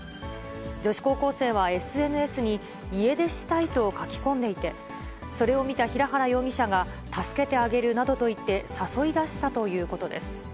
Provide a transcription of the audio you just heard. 女子高校生はＳＮＳに、家出したいと書き込んでいて、それを見た平原容疑者が、助けてあげるなどと言って、誘い出したということです。